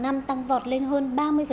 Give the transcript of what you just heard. trong năm tăng vọt lên hơn ba mươi